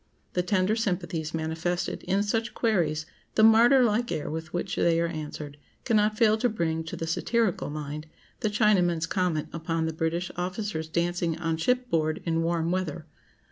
The tender sympathies manifested in such queries, the martyr like air with which they are answered, cannot fail to bring to the satirical mind the Chinaman's comment upon the British officers' dancing on shipboard in warm weather.